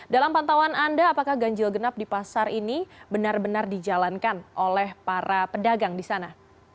dalam pantauan anda apakah ganjil genap di pasar ini benar benar dijalankan oleh para pedagang di sana